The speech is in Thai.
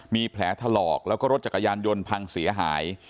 มีแผลถลอกแล้วก็รถจักรยานยนต์พังเสียหาย